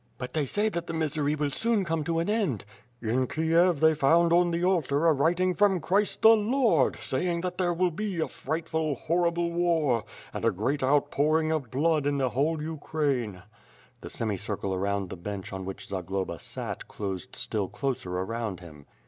"But they say that the misery will soon come to an end." "In Kiev they found on the altar a writing from Christ the Lord, saying that there will be a frightful, horrible war, and a great outpouring of blood in the whole Ukraine." The semicircle around the bench on which Zagloba sat closed still closer around him.